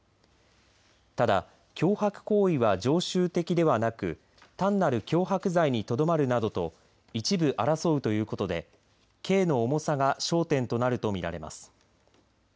ただ、脅迫行為は常習的ではなく単なる脅迫罪にとどまるなどと一部争うということで刑の重さが焦点となると見られます。